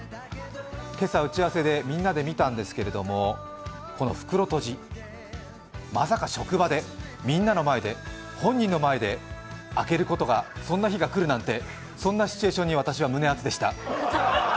今朝、打ち合わせでみんなで見たんですけどもこの袋とじ、まさか職場で、みんなの前で本人の前で開けることが、そんな日が来るなんてそんなシチュエーションに私は胸アツでした。